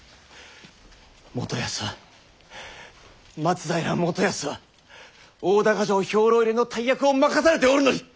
元康は松平元康は大高城兵糧入れの大役を任されておるのに！